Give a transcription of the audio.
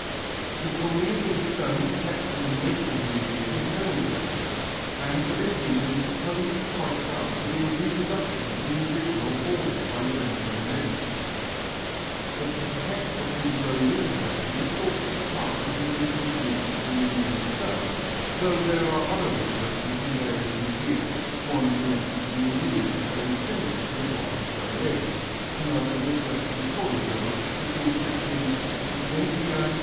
The cornelian stone kept in the Naples Museum has no inscription and for this reason is supposed by some to be a reproduction from the original ordered by Lorenzo Medici. The plaquette of the Berlin collection is thought to be cast from the original Greek cornelian stone, though there are other reproductions in various museums, one for instance in the Louvre very similar to the one of Berlin, another in the collection of Courajod, with the inscription, "PRUDENTIA.